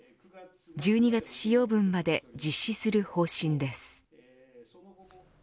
１２月使用分まで実施する方針です。